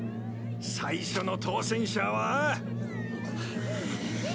最初の当選者は。